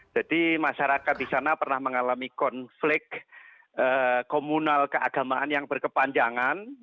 jadi masyarakat di sana pernah mengalami konflik komunal keagamaan yang berkepanjangan